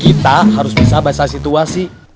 kita harus bisa baca situasi